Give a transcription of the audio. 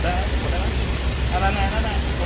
อ๋อต้องกลับมาก่อน